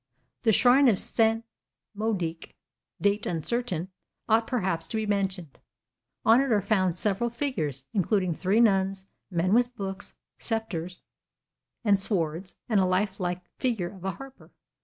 The Shrine of St. Moedoc (date uncertain) ought perhaps to be mentioned. On it are found several figures, including three nuns, men with books, sceptres, and swords, and a lifelike figure of a harper.